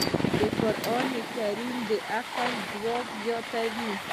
د قرآن تلاوت د عقل ځواک زیاتوي.